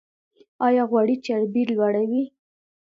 ایا غوړي چربي لوړوي؟